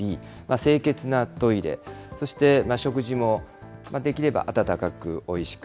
清潔なトイレ、そして食事も、できれば、温かく、おいしく。